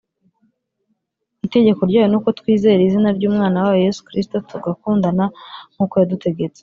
Itegeko ryayo ni uko twizera izina ry’Umwana wayo Yesu Kristo, tugakundana nk’uko yadutegetse.